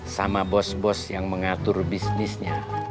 sama bos bos yang mengatur bisnisnya